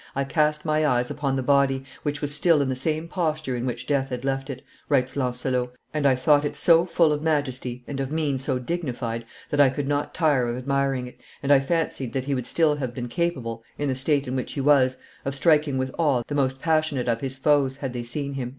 "I cast my eyes upon the body, which was still in the same posture in which death had left it," writes Lancelot, "and I thought it so full of majesty and of mien so dignified that I could not tire of admiring it, and I fancied that he would still have been capable, in the state in which he was, of striking with awe the most passionate of his foes, had they seen him."